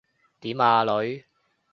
點呀，女？